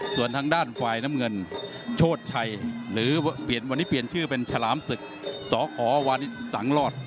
ส่วนทางด้านฝ่ายน้ำเงินโชชัยหรือเปลี่ยนวันนี้เปลี่ยนชื่อเป็นฉลามศึกสขวานิสสังรอด